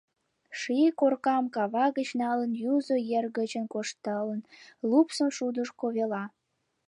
Ший коркам кава гыч налын, Юзо ер гычын кошталын, Лупсым шудышко вела.